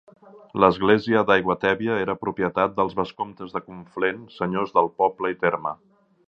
L'església d'Aiguatèbia era propietat dels vescomtes de Conflent, senyors del poble i terme.